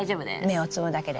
芽を摘むだけで。